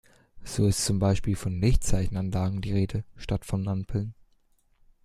So ist zum Beispiel von Lichtzeichenanlagen die Rede, statt von Ampeln.